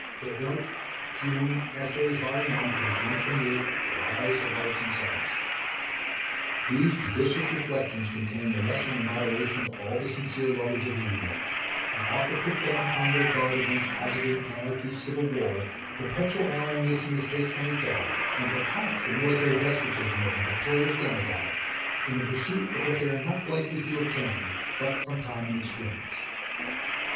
"(3) These judicious reflections contain a lesson of moderation to all the sincere lovers of the Union, and ought to put them upon their guard against hazarding anarchy, civil war, a perpetual alienation of the States from each other, and perhaps the military despotism of a victorious demagogue, in the pursuit of what they are not likely to obtain, but from TIME and EXPERIENCE.